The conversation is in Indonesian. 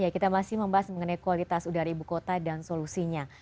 kita masih membahas mengenai kualitas udara ibu kota dan solusinya